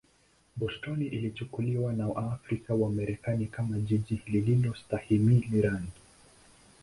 Boston ilichukuliwa na Waafrika-Wamarekani kama jiji lisilostahimili rangi.